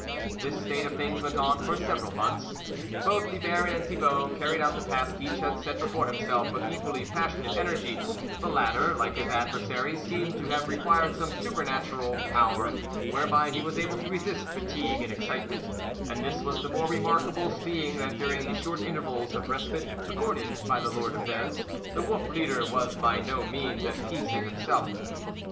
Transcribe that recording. This state of things went on for several months. Both the Baron and Thibault carried out the task each had set before himself, with equally passionate energy ; the latter, like his adversary, seemed to have required some supernatural power, whereby he was able to resist fatigue and excitement ; and this was the more remarkable seeing that dur ing the short intervals of respite accorded by the Lord of Vez, the Wolf leader was by no means at peace in himself.